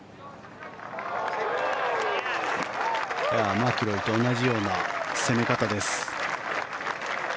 マキロイと同じような攻め方です。